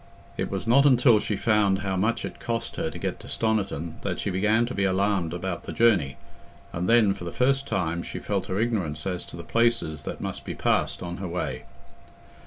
It was not until she found how much it cost her to get to Stoniton that she began to be alarmed about the journey, and then, for the first time, she felt her ignorance as to the places that must be passed on her way.